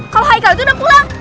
kalo haika itu udah pulang